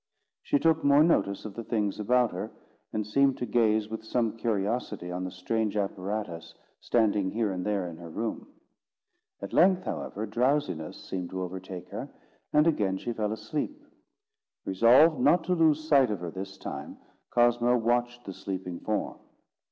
She took more notice of the things about her, and seemed to gaze with some curiosity on the strange apparatus standing here and there in her room. At length, however, drowsiness seemed to overtake her, and again she fell asleep. Resolved not to lose sight of her this time, Cosmo watched the sleeping form.